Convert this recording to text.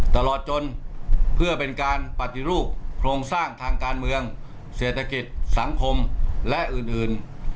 ตลอดจนเพื่อเป็นการปฏิรูปโครงสร้างทางการเมืองเศรษฐกิจสังคมและอื่น